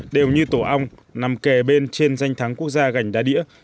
đều như tổ ong nằm kề bên trên danh thắng quốc gia gành đá đĩa